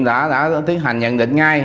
đã tiến hành nhận định ngay